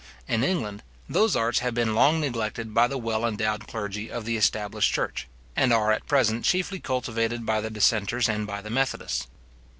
In England, those arts have been long neglected by the well endowed clergy of the established church, and are at present chiefly cultivated by the dissenters and by the methodists.